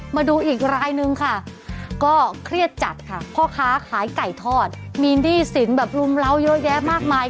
มาดูอีกรายนึงค่ะก็เครียดจัดค่ะพ่อค้าขายไก่ทอดมีหนี้สินแบบรุมเล้าเยอะแยะมากมาย